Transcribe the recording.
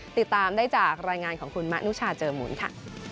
ติดตามได้จากรายงานของคุณมะนุชาเจอหมุนค่ะ